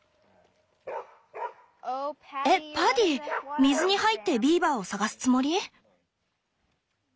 えっパディ水に入ってビーバーを探すつもり？